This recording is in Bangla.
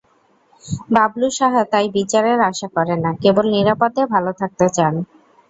বাবলু সাহা তাই বিচারের আশা করেন না, কেবল নিরাপদে ভালো থাকতে চান।